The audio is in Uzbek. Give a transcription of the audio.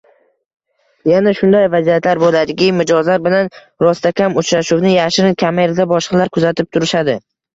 Yana shunday vaziyatlar boʻladiki, mijozlar bilan rostakam uchrashuvni yashirin kamerada boshqalar kuzatib turishadi.